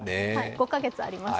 ５か月あります。